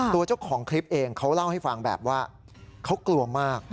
ตัวเจ้าของคลิปเองเขาเล่าให้ฟังแบบว่าเขากลัวมาก